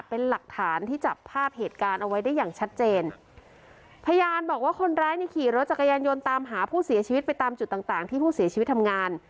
เป็นหลักฐานที่จับภาพเหตุการณ์เอาไว้ได้อย่างชัดเจนพยานบอกว่าคนร้ายนี่ขี่รถจักรยานยนต์ตามหาผู้เสียชีวิตไปตามจุดต่างต่างที่ผู้เสียชีวิตทำงาน